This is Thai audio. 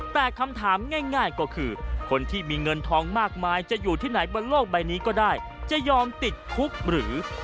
แต่คำถามง่ายก็คือคนที่มีเงินทองมากมายจะอยู่ที่ไหนบนโลกใบนี้ก็ได้จะยอมติดคุกหรือ